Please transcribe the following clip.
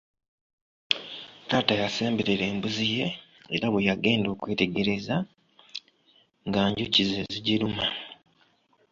Taata yasemberera embuzi ye era bwe yagenda okwetegereza nga njuki z'ezigiruma.